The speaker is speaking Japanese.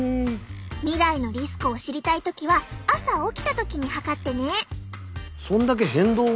未来のリスクを知りたい時は朝起きた時に測ってね！